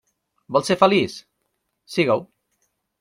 Vols ser feliç? Sigues-ho.